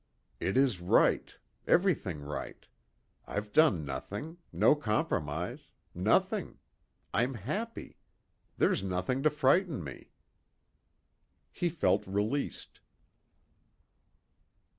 "It is right. Everything right. I've done nothing. No compromise. Nothing. I'm happy. There's nothing to frighten me." He felt released.